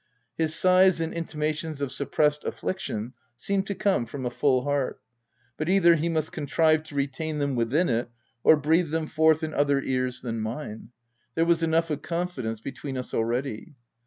His sighs and in timations of suppressed affliction seemed to come from a full heart ; but either he must contrive to retain them within it, or breathe them forth in other ears than mine : there was enough of confidence between us already.